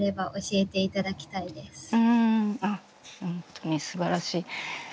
本当にすばらしい。